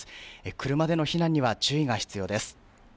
車での避難には注意が必要です。